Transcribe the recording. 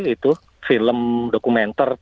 itu film dokumenter tentang